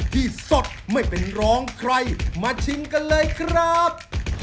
ที่สดไม่เป็นร้องใครมาชิมกันเลยครับ